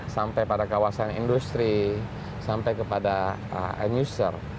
sampai pada kawasan industri sampai kepada end user